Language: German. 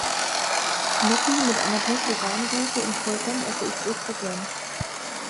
Gnocchi mit einer Pesto-Rahm-Soße und Kräutern esse ich furchtbar gern.